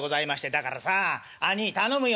「だからさあ兄い頼むよ」。